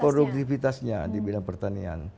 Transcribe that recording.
produktivitasnya di bidang pertanian